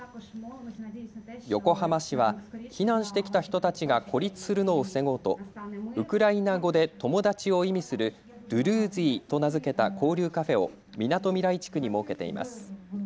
横浜市は避難してきた人たちが孤立するのを防ごうとウクライナ語で友達を意味するドゥルーズィと名付けた交流カフェをみなとみらい地区に設けています。